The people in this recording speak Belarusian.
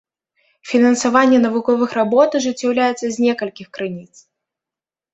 Фінансаванне навуковых работ ажыццяўляецца з некалькіх крыніц.